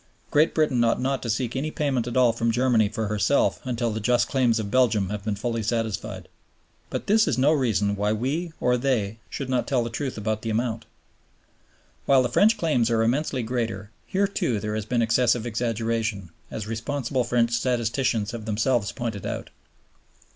Great Britain ought not to seek any payment at all from Germany for herself until the just claims of Belgium have been fully satisfied. But this is no reason why we or they should not tell the truth about the amount. While the French claims are immensely greater, here too there has been excessive exaggeration, as responsible French statisticians have themselves pointed out.